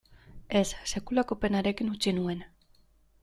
Ez, sekulako penarekin utzi nuen.